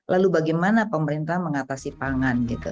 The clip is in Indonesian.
lalu bagaimana pemerintah mengatasi pangan gitu